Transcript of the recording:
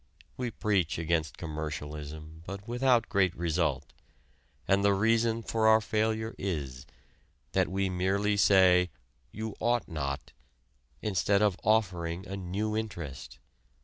We preach against commercialism but without great result. And the reason for our failure is: that we merely say "you ought not" instead of offering a new interest.